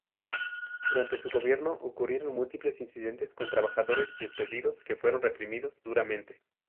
Durante su gobierno ocurrieron múltiples incidentes con trabajadores despedidos que fueron reprimidos duramente.